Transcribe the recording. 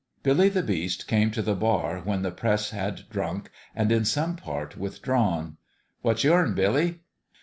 Billy the Beast came to the bar when the press had drunk and in some part withdrawn. " What's yourn, Billy?"